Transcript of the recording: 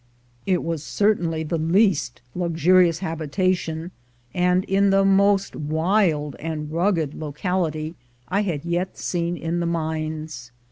It was certainly the least luxurious habitation, and in the most wild and rugged localitj , I had yet seen in the mines.